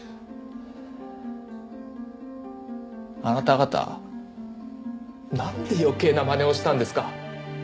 あなた方なんで余計なまねをしたんですか？